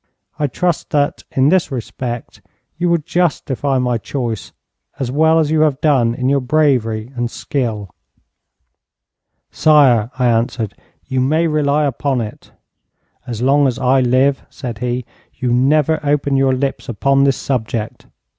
I trust that, in this respect, you will justify my choice as well as you have done in your bravery and skill.' 'Sire,' I answered, 'you may rely upon it.' 'As long as I live,' said he, 'you never open your lips upon this subject.'